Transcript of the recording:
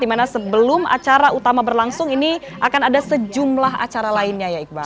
dimana sebelum acara utama berlangsung ini akan ada sejumlah acara lainnya ya iqbal